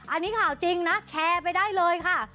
อันนี้ข่าวจริงนะแชร์ไปได้เลยค่ะ